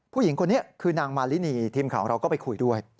ผู้หญิงคนนี้คือนางมารินีทีมข่าวของเราก็ไปคุยด้วย